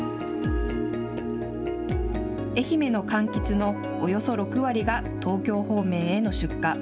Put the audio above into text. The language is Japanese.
愛媛のかんきつのおよそ６割が東京方面への出荷。